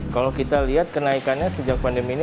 kalau kita lihat kenaikannya sejak pandemi ini